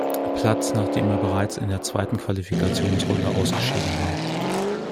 Platz nachdem er bereits in der zweiten Qualifikationsrunde ausgeschieden war.